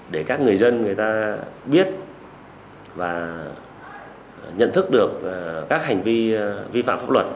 để các người dân người ta biết và nhận thức được các hành vi vi phạm pháp luật